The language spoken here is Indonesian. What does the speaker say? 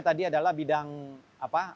tadi adalah bidang apa